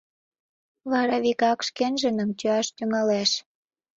Вара вигак шкенжыным тӱяш тӱҥалеш.